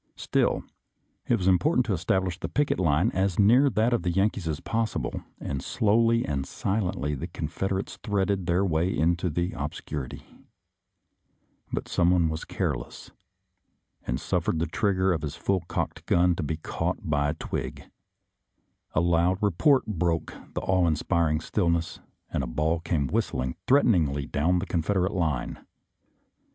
Still, it was important to 238 SOLDIER'S LETTERS TO CHARMING NELLIE establish the picket line as near that of the Yan kees as possible, and slowly and silently the Confederates threaded their way into the ob scurity. But someone was careless, and suffered the trigger of his full cocked gun to be caught by a twig. A loud report broke the awe inspir ing stillness, and a ball came whistling threaten ingly down the Confederate line.